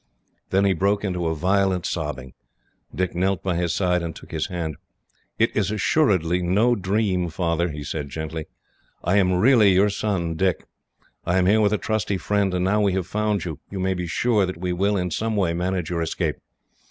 Then he broke into a violent sobbing. Dick knelt by his side, and took his hand. "It is assuredly no dream, Father," he said gently. "I am really your son, Dick. I am here with a trusty friend, and now we have found you, you may be sure that we will, in some way, manage your escape.